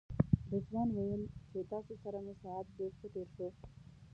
رضوان ویل چې تاسو سره مې ساعت ډېر ښه تېر شو.